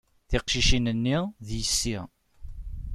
Tiqcicin-nni, d yessi.